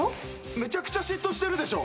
めちゃくちゃ嫉妬してるでしょ？